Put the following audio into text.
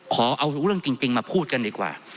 ขอเอาเรื่องจริงมาพูดกันดีกว่า